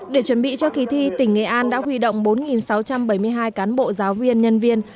để chuẩn bị cho kỳ thi tỉnh nghệ an đã huy động bốn sáu trăm bảy mươi hai cán bộ giáo viên nhân viên